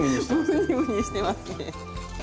ムニムニしてますね。